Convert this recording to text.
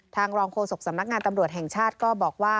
รองโฆษกสำนักงานตำรวจแห่งชาติก็บอกว่า